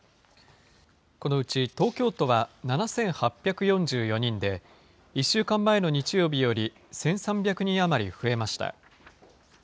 このうち東京都は７８４４人で、１週間前の日曜日より１３００人余り増えました。